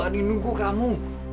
adi nunggu kamu